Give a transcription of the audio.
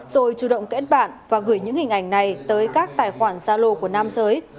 rồi chủ động kết bạn và gửi những hình ảnh này tới các tài khoản gia lô của nam giới